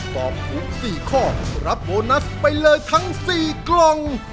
ตอบถูก๔ข้อรับโบนัสไปเลยทั้ง๔กล่อง